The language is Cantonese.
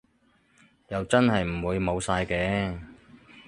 又真係唔會冇晒嘅